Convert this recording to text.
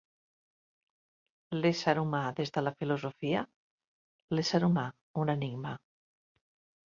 L'ésser humà des de la filosofia; l'ésser humà, un enigma